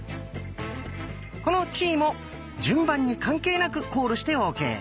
この「チー」も順番に関係なくコールしてＯＫ！